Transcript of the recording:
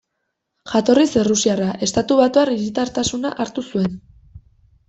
Jatorriz errusiarra, estatubatuar hiritartasuna hartu zuen.